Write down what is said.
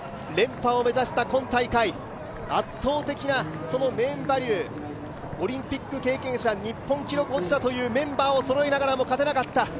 連覇を目指した今大会、圧倒的なネームバリューオリンピック経験者、日本記録保持者というメンバーをそろえながらも勝てなかった。